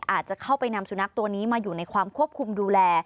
อาจจะเข้าไปนำสุนัขตัวนี้มาอยู่ในความควบคุมดูแล